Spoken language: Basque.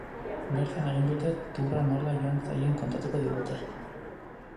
Bertan egin duten tourra nola joan zaien kontatuko digute.